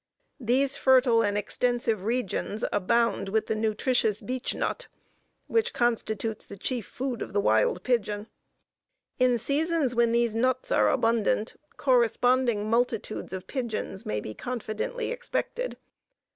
These fertile and extensive regions abound with the nutritious beechnut, which constitutes the chief food of the wild pigeon. In seasons when these nuts are abundant, corresponding multitudes of pigeons may be confidently expected.